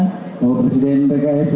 bapak presiden pks